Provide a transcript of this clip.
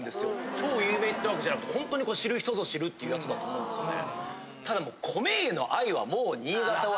超有名ってわけじゃなくてほんとに知る人ぞ知るっていうやつだと思うんですね。